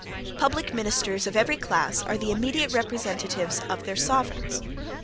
Public ministers of every class are the immediate representatives of their sovereigns.